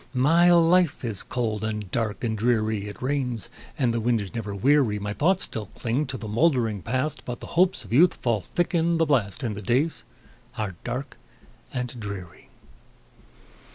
My life is cold, and dark, and dreary; It rains, and the wind is never weary; My thoughts still cling to the moldering Past, But the hopes of youth fall thick in the blast, And the days are dark and dreary.